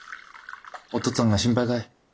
お父っつぁんが心配かい？